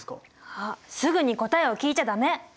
あっすぐに答えを聞いちゃ駄目！